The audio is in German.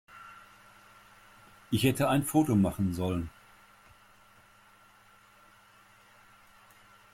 Ich hätte ein Foto machen sollen.